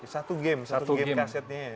satu game kasetnya ya